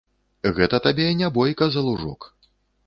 Гэта табе не бойка за лужок.